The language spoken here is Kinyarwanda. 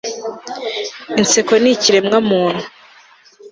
inseko ni ikiremwamuntu